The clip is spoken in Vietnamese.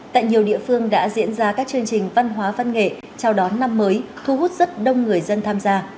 tại nhiều địa phương đã diễn ra các chương trình văn hóa văn nghệ chào đón năm mới thu hút rất đông người dân tham gia